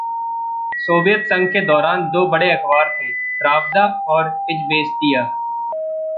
Soviet संघ के दौरान दो बड़े अखबार थे - "प्रावदा" और "इज़वेस्तीया"।